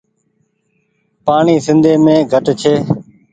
پآڻيٚ سندي مين گهٽ ڇي ۔